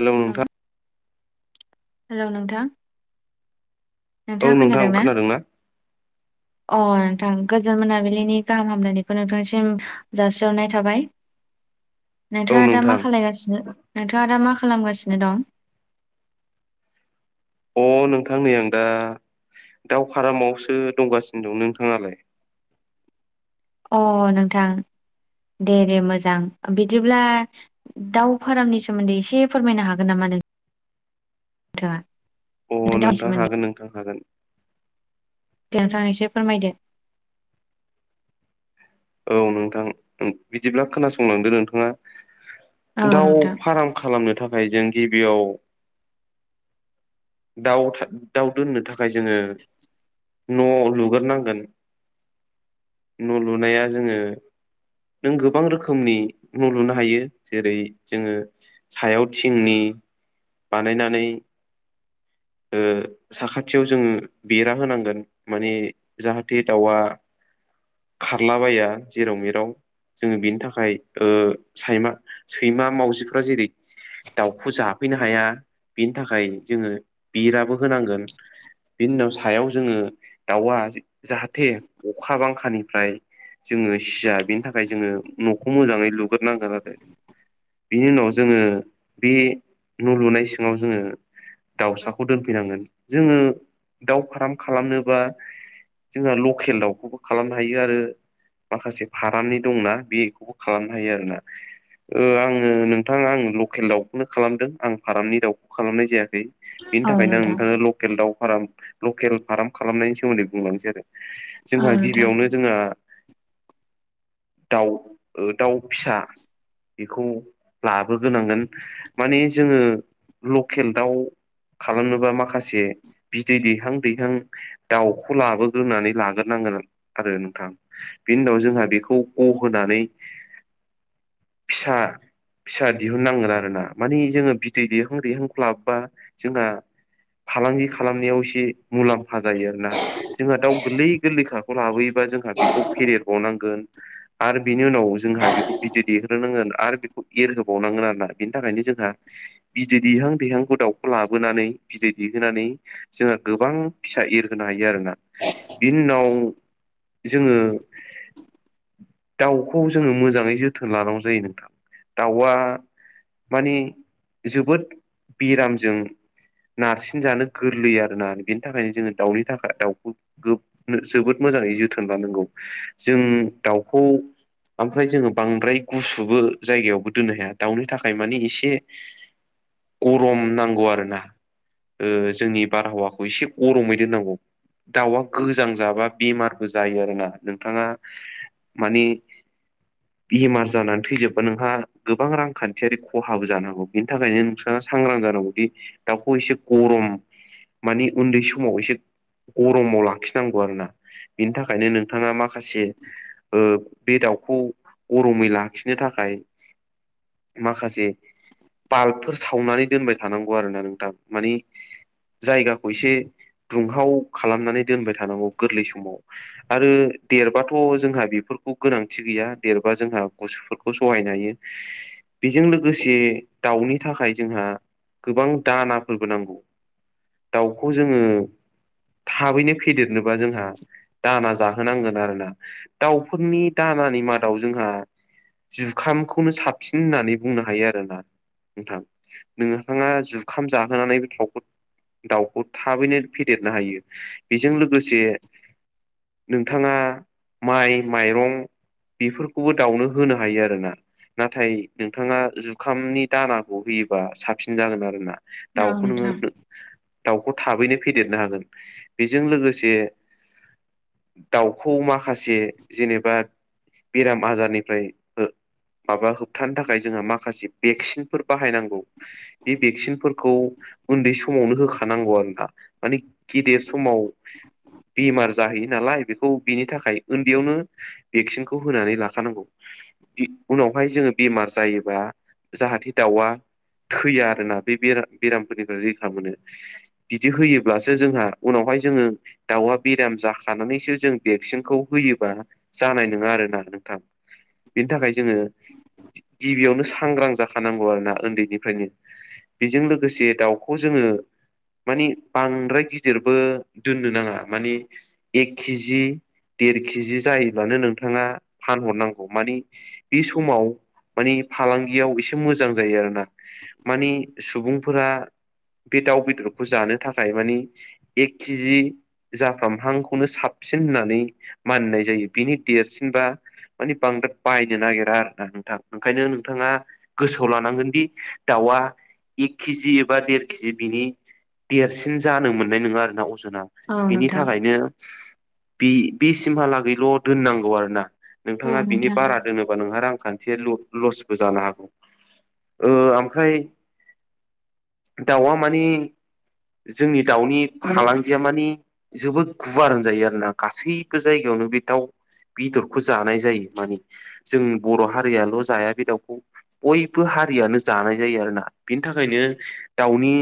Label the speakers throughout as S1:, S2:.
S1: Hello नोंथां।
S2: Hello नोंथां।
S1: औ
S2: नोंथाङा
S1: नोंथां
S2: खोनादों ना?
S1: खोनादोंना?
S2: अ नोंथां गोजोन मोनाबिलिनि गाहाम हामलायनायखौ नोंथांसिम जासिहरनाय थाबाय।
S1: औ
S2: नोंथाङा दा
S1: नोंथां
S2: मा खालायगासिनो नोंथाङा दा मा खालामगासिनो दं?
S1: अ नोंथां नै आं दा दाउ फारामावसो दंगासिनो दं नोंथाङालाय?
S2: अ नोंथां। दे दे मोजां बिदिब्ला दाउ फारामनि सोमोन्दै एसे फोरमायनो हागोन नामा नों थाङा?
S1: अ नोंथां हागोन नोंथां हागोन।
S2: दे नोंथां एसे फोरमायदो।
S1: औ नोंथां बिदिब्ला खोनासंलांदो नोंथाङा।
S2: औ
S1: दाउ
S2: नोंथां
S1: फार्म खालामनो था खाय जों गिबियाव दाउ था दाउ दोननो थाखाय जोङो न' लुग्रोनांगोन न' लुनाया जोङो नों गोबां रोखोमनि न' लुनो हायो जेरै जोङो सायाव थिंनि बानायनानै
S2: [inaudible]
S1: ओ साखाथियाव जों बेरा होनांगोन माने जाहाथे दाउआ खारला बाया जेराव मेराव जोंङो बेनि थाखाय‌ ओ सायमा सैमा मावजिफोरा जेरै- दाउखौ जाफैनो हाया बेनि थाखाय जोंङो बेराबो होनांगोन। बिनि उनाव सायाव जोंङो दाउआ जाहाथे अखा बांखानिफ्राय जोंङो सिया बेनि थाखाय जोंङो न'खौ मोजाङै लुग्रोनांगोन आरो- बिनि उनाव जोंङो बे न लुनाय सिङाव जोंङो दाउसाखौ दोनफैनांगोन जोंङो दाउ फाराम खालामनोबा जोंहा लकेल दाउखौबो खालामनो हायो आरो माखासे फारामनि दंना बेखौबो खालामनो हायो आरो ना ओ आङो नोंथाङा आं लकेल दाउखौनो खालामदों आं फारामनि दाउखौ खालामनाय जाया खै बेनि
S2: औ
S1: थाखायनो आं
S2: नोंथां
S1: नोंथांनो लकेल दाउ फाराम लकेल फार्म खालामनायनि सोमोन्दै बुंलांनोसै आरो
S2: औ
S1: जोंहा
S2: नोंथां
S1: गिबियावनो जोंहा-
S2: [inaudible]
S1: दाउ ओ दाउ फिसा- बेखौ लाबोगोनांगोन माने जोंङो लकेल दाउ खालामनोबा माखासे बिदै दैहां दैहां दाउखौ लाबोग्रोनानै लाग्रोनां- गोन आरो नोंथां बिनि उनाव जोंहा बेखौ ग होनानै फिसा फिसा दिहुननांगोन आरोना मानि जोंङो बिदै दिहां दैहांखौ लाबबा जोंहा फालांगि खालामनायाव एसे मुलाम्फा जायो आरोना जोंहा दाउ गोरलै गोरलैखाखौ लाबोयोबा- जोंहा बेखौ- फदेरबावनांगोन आरो बिनि उनाव जोंहा बेखौ बिदै दैेहोनांगोन आरो बेखौ एरहोबावनां गोन आरोना बेनि थाखायनो जोंहा बिदै दैहां दैहांखौ दाउखौ लाबोनानै बिदै दैहोनानै जोंङो गोबां फिसा एरहोनो हायो आरोना बिनि उनाव जोंङो
S2: [inaudible]
S1: दाउखौ जोंङो मोजांङै जोथोन लानांगौ जायो नोंथां दाउआ माने जोबोद बिरामजों नारसिन जानो गोरलै आरोना बेनि थाखायनो जोंङो दाउनि थाखाय दाउखौ गो जोबोद मो मोजांङै जोथोन लानांगौ जों दाउखौ ओमफ्राय जोंङो बांद्राय गुसुबो जायगायावबो दोननो हाया दाउनि थाखाय माने एसे गरम नांगौ आरो ना ओ जोंनि बारहावाखौ एसे गरमै दोननांगौ। दाउआ गोजां जाबा बेमारबो जायो आरो ना नोंथांङा मानि बेमार जानानै थैजोबबा नोंहा गोबां रांखान्थियारि खहाबो जानोहागौ बिनि थाखायनो नोंथांङा- सांग्रां जानांगौदि दाउखौ एसे गरम मानि उन्दै समाव एसे गरमाव लाखिनांगौ आरोना बिनि थाखायनो नों थांङा माखासे ओ बे दाउखौ गरमै लाखिनो थाखाय माखासे बाल्बफोर सावनानै दोनबाय थानांगौ आरोना नोंथां मानि जायगाखौ एसे दुंहाव खालामनानै दोनबाय थानांगौ गोरलै समाव आरो देरबाथ' जोंहा बेफोरखौ गोनांथि गैया देरबा जोंहा गुसुफोरखौ सहायनो हायो। बेजों लोगोसे दाउनि थाखाय जोंहा गोबां दानाफोरबो नांगौ दाउखौ जोंङो थाबैनो फेदेरनोबा जोंहा दाना जाहोनांगोन आरोना दाउफोरनि दानानि मादाव जोंहा जुखामखौनो साबसिन होननानै बुंनो हायो आरोना नोंथां नोंथांङा जुखाम जाहोनानै बे थावखौ दाउखौ थाबैनो फेदेरनो हायो बेजों लोगोसे नोंथाङा माइ माइरं बेफोरखौबो दाउनो होनो हायो आरोना। नाथाय नोंथाङा जुखामनि दानाखौ होयोबा साबसिन जागोन आरोना।
S2: औ
S1: दाउखौ
S2: नोंथां
S1: नोङो दाउखौ थाबैनो फेदेरनो हागोन बेजों लोगोसे दाउखौ माखासे जेनेबा बेराम आजारनिफ्राय हो माबा होबथानो थाखाय जोंहा माखासे भेक्सिनफोर बाहायनांगौ बे भेक्सिनफोरखौ उन्दै समावनो होखानांगौ आरो ना माने गेदेर समाव बेमार जाहैयो नालाय बेखौ बेनि थाखाय उन्दैयावनो भेक्सिनखौ होनानै लाखानांगौ बि उनावहाय जोङो बेमार जायोबा जाहाथे दाउआ थैया आरोना बे बेरा बेरामफोरनिफ्राय रैखा मोनो बिदि होयोब्लासो जोंहा उनावहा हाय जोङो दाउआ बेराम जाखानानैसो जों भेक्सिनखौ होयोबा जानाय नङा आरोना नोंथां। बेनि थाखाय जोङो गिबियावनो सांग्रां जाखानांगौ आरोना उन्दैनिफ्रायनो। बेजों लोगोसे दाउखौ जोङो मानि बांद्राय गिदिरबो दोननो नाङा मानि एक केजि देर केजि जायोब्लानो नोंथाङा फानहरनांगौ मानि बे समाव मानि फालांगियाव एसे मोजां जायो आरोना मानि सुबुंफोरा बे दाउ बेदरखौ जानो थाखाय मानि एक केजि जाफ्रामहां खौनो साबसिन होननानै मानिनाय जायो बिनि देरसिनबा माने बांद्राय बायनो नागिरा आरो ना नोंथां ओंखायनो नोंथाङा गोसोआव लानांगोन दि दाउआ एक केजि एबा देर केजि बिनि देरसिन जानो मोननाय नङा आरोना अज' जोना
S2: औ
S1: बिनि
S2: नोंथां
S1: थाखायनो बे बेसिमहालागैल' दोननांगौ आरो ना।
S2: औ
S1: नोंथाङा बिनि
S2: नोंथां
S1: बारा दोनोबा नोंहा रांखान्थि लु लसबो जानो हागौ ओ ओमफ्राय दाउआ मानि जोंनि दाउनि फालांगिया मानि जोबोद गुवार होनजायो आरो ना गासैबो जायगायावनो बे दाउ बेदरखौ जानाय जायो माने जों बर' हारियाल' जाया बे दाउखौ। बयबो हारियानो जानाय जायो आरोना बिनि थाखायनो दाउनि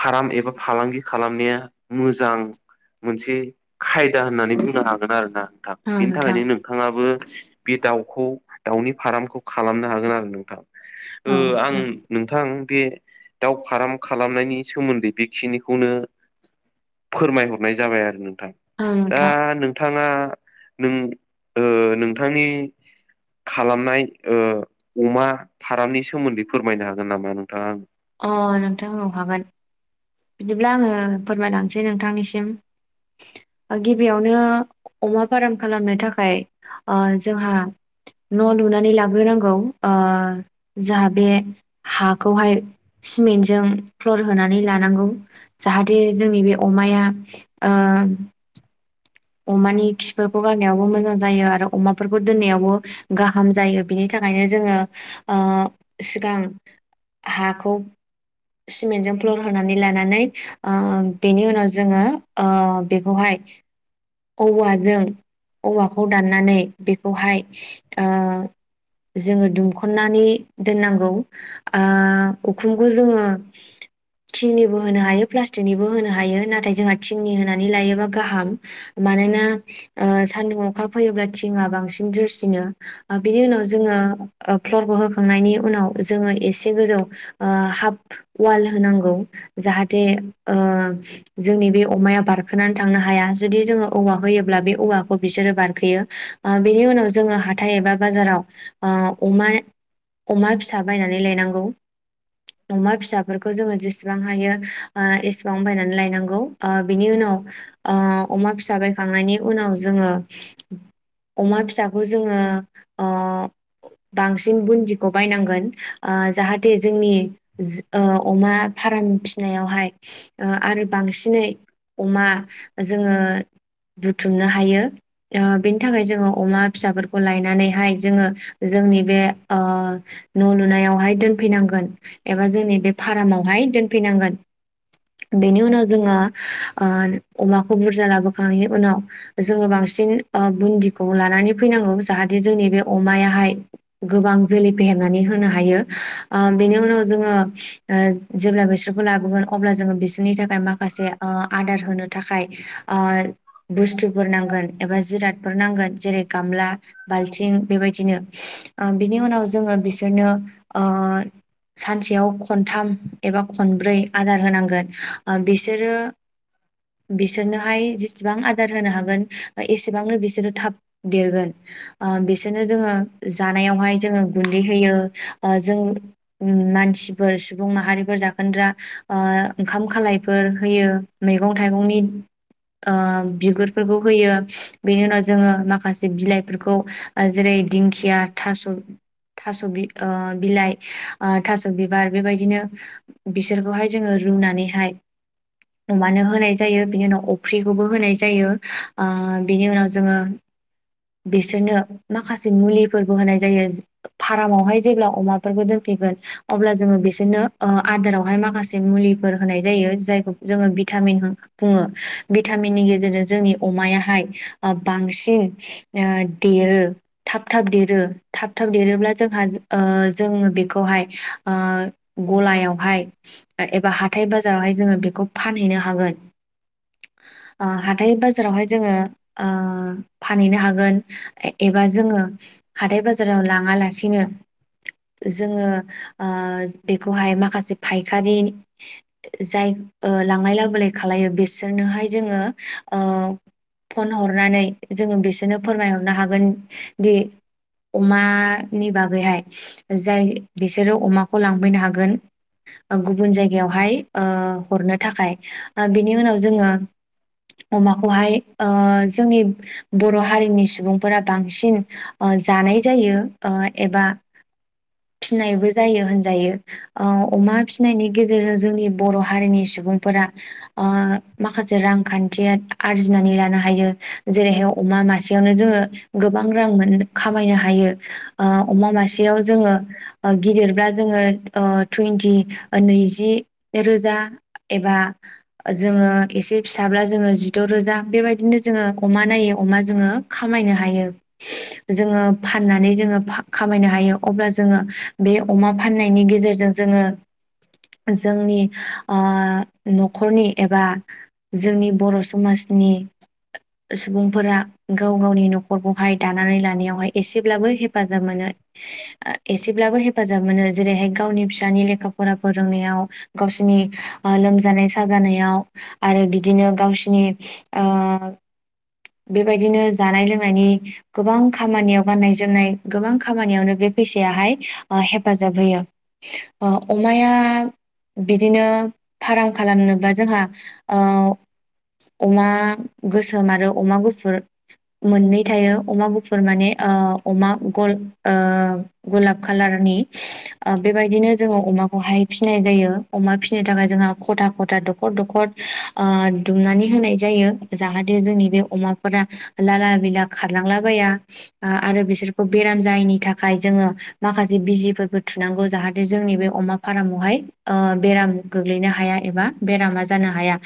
S1: फार्म एबा फालांगि खालामनाया मोजां मोनसे खायदा होननानै बुंनो हागोन आरो ना नोंथां
S2: औ
S1: बेनि
S2: नोंथां
S1: थाखायनो नोंथाङाबो बे दाउखौ दाउनि फार्मखौ खालामनो हागोन आरो नोंथां। ओ
S2: औ
S1: आं नोंथां बे दाउ फार्म खालामनायनि सोमोन्दै बेखिनिखौनो फोरमायहरनाय जाबाय आरो नों थां
S2: नोंथां
S1: नोंथाङा नों ओ नोंथांनि खालामनाय ओ अमा फारामनि सोमोन्दै फोरमायनो हागोन नामा नोंथाङा आंनो?
S2: अ नोंथां औ हागोन। बिदिब्ला आङो फोरमायलांसै नोंथांनिसिम। ओ गिबियावनो अमा फार्म खालामनो थाखाय ओ जोंहा न' लुनानै लाग्रोनांगौ ओ जोहा बे हाखौहाय सिमेन्टजों फ्लर होनानै लानांगौ जाहाथे जोंनि बे अमाया ओ ओम अमानि खिफोरखौ गारनायावबो मोजां जायो आरो अमाफोरखौ दोननायावबो गाहाम जायो बिनि थाख थाखायनो जोङो ओ सिगां हाखौ सिमेन्टजों फ्लर होनानै लानानै ओ बेनि उनाव जोङो ओ बेखौहाय [inaudible] औवाजों औवाखौ दाननानै बेखौहाय ओ जोंङो दुमखन्नानै दोननांगौ ओ उखुमखौ जोंङो [inaudible] थिंनिबो होनो हायो प्लास्टिकनिबो होनो हायो नाथाय जोंहा थिंनि होनानै लायोबा गाहाम मान मानोना ओ सान्दुं अखा फैयोब्ला थिंआ बांसिन जोरसिनो बिनि उनाव जोंङो ओ फ्लरखौ होखांनायनि उनाव जोंङो एसे गोजौ हाफ वाल होनांगौ जाहाथे ओ जोंनि बे अमाया बारखोनानै थांनो हाया जुदि जोंङो औवा होयोब्ला बे औवाखौ बिसोरो बारखोयो बेनि उनाव जोंङो हाथाय एबा बाजाराव ओ अमा अमा फिसा बायनानै लायनांगौ अमा फिसा फोरखौ जोंङो जेसेबां हायो ओ एसेबां बायनानै लायनांगौ बिनि उनाव ओ अमा फिसा बायखांनायनि उनाव जोंङो अमा फिसाखौ जोंङो ओ बांसिन बुन्दिखौ बायनांगोन ओ जाहाथे जोंनि ओ अमा फाराम फिनायावहाय आरो ओ बांसिनै अमा जोंङो बुथुमनो हायो ओ बेनि थाखाय जोंङो अमा फिसाफोरखौ लायनानैहाय जोंङो जोंनि बे ओ नलुनायावहाय दोनफैनांगोन एबा जोंनि बे फार्माआवहाय दोनफैनांगोन बेनि उनाव जोंङो ओ अमाखौ बुरजा लाबोखांनायनि उनाव जोंङो बांसिन बुन्दिखौ लानानै फैनांगौ जाहाथे जोंनि बे अमायाहाय गोबां जोलै फे नानै होनो हायो ओ बेनि उनाव जोंङो ओ जेब्ला बिसोरखौ लाबोगोन अब्ला जोंङो बिसोरनि थाखाय माखासे ओ आदार होनो थाखाय ओ बुस्थुफोर नांगोन एबा जिरादफोर नांगोन जेरै गामला बाल्थिं बेबायदिनो ओ बिनि उनाव जोंङो बिसोरनो ओ सानसेयाव खनथाम एबा खनब्रै आदार होनांगोन ओ बिसोरो बिसोरनोहाय जेसेबां आदार होनो हागोन एसेबांनो बिसोरो थाब देरगोन ओ बिसोरनो जोंङो जानायावहाय जोंङो गुन्दै होयो ओ जों मानसि फोर सुबुं माहारिफोर जाखोनद्रा ओ ओंखाम खालायफोर होयो मैगं थाइगंनि ओ बिगुरफोरखौ होयो बेनि उनाव जोंङो माखासे बिलाइफोरखौ जेरै दिंखिया थास' थास' बिलाइ थास' बिब बार बेबायदिनो बिसोरखौहाय जोंङो रुनानैहाय अमानो होनाय जायो बिनि उनाव अफ्रिखौबो होनाय जायो ओ बिनि उनाव जोंङो बिसोरनो माखासे मुलिफोरबो होनाय जायो फाराम आवहाय जेब्ला अमाफोरखौ दोनफैगोन अब्ला जोङो बिसोरनो ओ आदारावहाय माखासे मुलिफोर होनाय जायो जायखौ जोंङो भिटामिन बुङो भिटामिननि गेजेरजों जोंनि अमायाहाय ओ बांसिन ओ देरो थाब थाब देरो थाब थाब देरोब्ला जोंहा ओ जोंङो बेखौहाय ओ गलायावहाय एबा हाथथाय बाजारावहाय जोंङो बेखौ फानहैनो हागोन [inaudible] हाथाय बाजारावहाय जोंङो ओ फानहैनो हागोन एबा जोंङो हाथाय बाजाराव लाङालासिनो जोंङो ओ बेखौहाय माखासे फायखारि जाय लांलाय लाबोलाय खाला बिसोरनोहाय जोंङो ओ फन हरनानै जोंङो बिसोरनो फोरमायहरनो हागोन दि अमानि बागैहाय जाय बिसोरो अमाखौ लांफैनो हागोन गुबुन जायगायावहाय ओ हरनो थाखाय बिनि उनाव जोंङो अमाखौहाय ओ जोंनि बर हारिनि सुबुंफोरा बांसिन ओ जानाय जायो ओ एबा फि फिनायबो जायो होनजायो ओ अमा फिनायनि गेजेरजों जोंनि बर' हारिनि सुबुंफोरा ओ माखासे रांखान्थिया आरजिनानै लानो हायो जेरैहाय अमा मासे यावनो जोङो गोबां रां मोनो खामायनो हायो ओ अमा मासेयाव जोङो। ओ गिदिरब्ला जोङो ओ टुइन्टि नैजि रोजा एबा जोङो एसे फिसाब्ला जोङो जिद' रोजा बेबायदिनो जोङो अमा नायो अमा जोङो खामायनो हायो जोङो फाननानै जोङो खामायनो हायो अब्ला जोङो बे अमा फाननायनि गेजेरजों जोङो जोंनि ओ न'खरनि एबा जोंनि बर' समाज स्नि सुबुंफोरा गाव गावनि न'खरखौहाय दानानै लानायावहाय एसेब्लाबो हेफाजाब मोनो ओ एसे ब्लाबो हेफ हेफाजाब मोनो जेरैहाय गावनि फिसानि लेखा फरा फोरोंनायाव गावसोरनि ओ लोमजानाय साजानाय आरो बिदिनो गावसोरनि ओ बेबायदिनो जानाय लोंनायनि गोबां खामानियाव गाननाय जोमनाय गोबां खामानियावनो बे फैसायाहाय ओ हेफाजाब होयो अमाया बिदिनो फार्म खालामनोबा जोंहा ओ अमा गोसोम आरो अमा गुफुर मोननै थायो अमा गुफुर माने ओ अमा गल ओ गलाब खाालारनि ओ बेबायदिनो जोङो अमाखौहाय फिसिनाय जायो अमा फिसिनो थाखाय जोंहा खथा खथा दखर दखर ओ दुमनानै ओ होनाय जायो जाहाथे जोंनि बे अमाफोरा लाला बिला खारलांलाबाया ओ आरो बिसोरखौ बेराम जायैनि थाखाय जोङो माखासे बिजिबोफोरबो थुनांगौ जाहाथे जोंनि बे अमा फारमावहाय बेराम गोग्लैनो हाया एबा बेरामा जानो हाया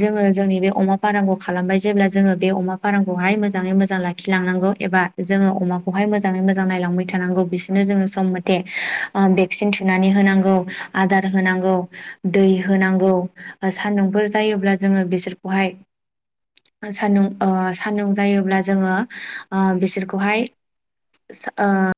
S2: जोङो जोंनि बे अमा फारामखौ खालामबाय जेब्ला जोङो बे अमा फाराम बे खौहाय मोजाङै मोजां लाखि लांनांगौ एबा जोङो अमाखौहाय मोजाङै मोजां नायलांबाय थानांगौ बिसोर बि दिनों जोङो सम मथे ओ भेकसिन थुनाननानै होनांगौ आधार होनांगौ दै हो होनांगौ सान्दुंफोर जायोब्ला जोङो बिसोरखौहाय सान्दुं ओ सान्दुं जायोब्ला जोङो ओ बिसोरखौहाय ओ